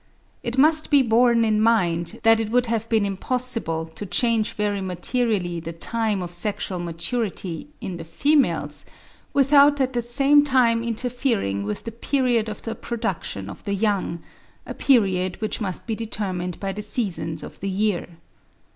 It must be borne in mind that it would have been impossible to change very materially the time of sexual maturity in the females, without at the same time interfering with the period of the production of the young—a period which must be determined by the seasons of the year.